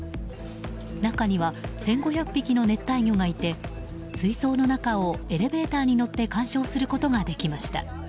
中には１５００匹の熱帯魚がいて水槽の中をエレベーターに乗って観賞することができました。